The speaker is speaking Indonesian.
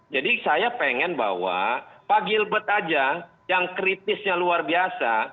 jadi saya pengen bahwa pak gilbert aja yang kritisnya luar biasa